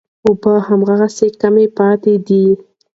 اوبه هماغسې کمې پاتې دي.